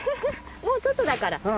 もうちょっとだから。